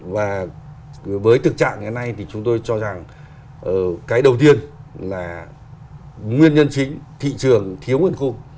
và với tự trạng như thế này thì chúng tôi cho rằng cái đầu tiên là nguyên nhân chính thị trường thiếu nguồn khu